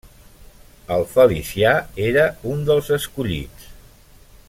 El Felicià era un dels escollits.